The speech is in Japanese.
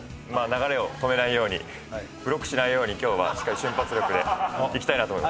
流れを止めないようにブロックしないように今日はしっかり瞬発力でいきたいなと思います。